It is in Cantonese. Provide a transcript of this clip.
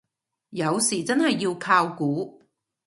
有時真係要靠估